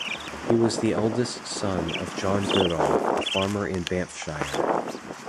He was the eldest son of John Goodall, a farmer in Banffshire.